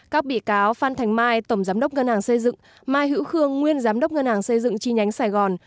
các bị cáo phan thành mai tổng giám đốc ngân hàng xây dựng mai hữu khương nguyên giám đốc ngân hàng xây dựng chi nhánh sài gòn